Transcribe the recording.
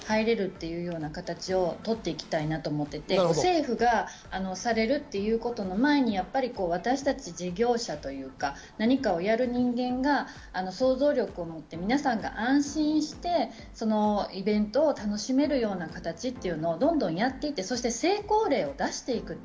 まさに陰性証明とワクチン接種というものがあると入れるというような形を取っていきたいなと思ってて、政府がされるということの前に、私たち事業者というか、何かをやる人間が、想像力を持って、皆さんが安心して、そのイベントを楽しめるような形というのをどんどんやっていって、成功例を出していく。